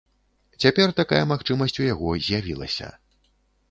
Цяпер такая магчымасць у яго з'явілася.